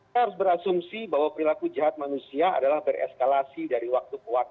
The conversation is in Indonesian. saya harus berasumsi bahwa perilaku jahat manusia adalah bereskalasi dari waktu ke waktu